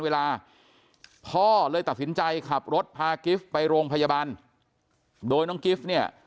เวลาพ่อเลยตัดสินใจขับรถพากิฟต์ไปโรงพยาบาลโดยน้องกิฟต์เนี่ย